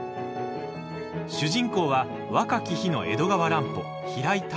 主人公は、若き日の江戸川乱歩平井太郎。